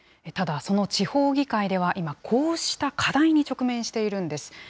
ただ、その地方議会では今、こうした課題に直面しているんです。